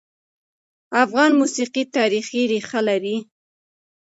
افغان موسیقي تاریخي ريښه لري.